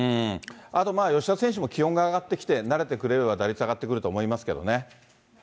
あとまあ、吉田選手も気温が上がってきて、慣れてくれれば打率上がってくると思いますけどね。